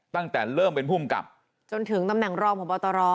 ตั้งแต่เริ่มเป็นภูมิกับจนถึงตำแหน่งรองพบตร